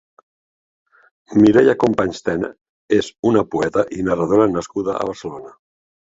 Mireia Companys Tena és una poeta i narradora nascuda a Barcelona.